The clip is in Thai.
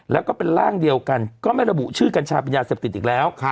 แล้วก็เป็นร่างเดียวกันก็ไม่ระบุชื่อกัญชาเป็นยาเสพติดอีกแล้ว